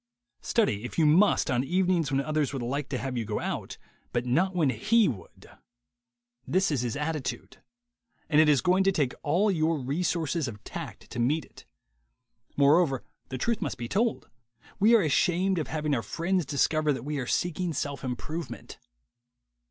Study, if you must, on evenings when others would like to have you go out, but not when he would. This is his attitude; and it is going to take all your resources of tact to meet it. Moreover, the truth must be told: we are ashamed of having our friends discover that we are seeking self im provement.